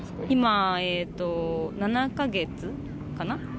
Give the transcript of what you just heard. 今、７か月かな。